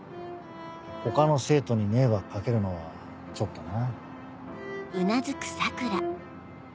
他の生徒に迷惑掛けるのはちょっとな。